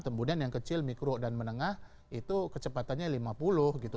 kemudian yang kecil mikro dan menengah itu kecepatannya lima puluh gitu